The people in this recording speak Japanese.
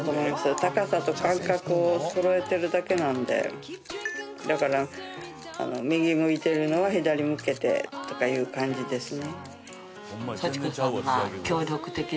高さと間隔をそろえてるだけなんでだから右向いてるのは左向けてとかいう感じですね